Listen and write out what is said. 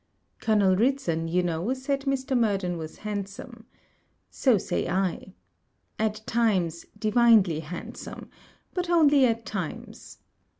Colonel Ridson, you know, said Mr. Murden was handsome. So say I. At times, divinely handsome; but only at times.